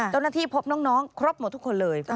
ตอนนั้นที่พบน้องครบหมดทุกคนเลย